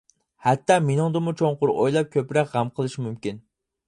ھەتتا مېنىڭدىنمۇ چوڭقۇر ئويلاپ، كۆپرەك غەم قىلىشى مۇمكىن.